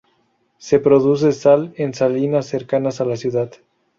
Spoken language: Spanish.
Se produce sal en salinas cercanas a la ciudad.